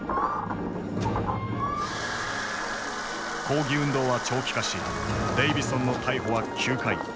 抗議運動は長期化しデイヴィソンの逮捕は９回。